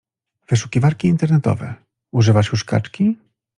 Wyszukiwarki internetowe: używasz już kaczki?